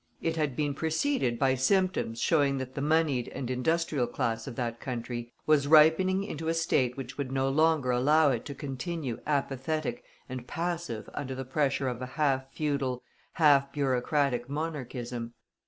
It had been preceded by symptoms showing that the moneyed and industrial class of that country was ripening into a state which would no longer allow it to continue apathetic and passive under the pressure of a half feudal, half bureaucratic Monarchism.